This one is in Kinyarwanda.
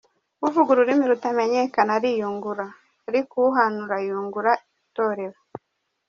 Uvuga ururimi rutamenyekana ariyungura, ariko uhanura yungura itorera.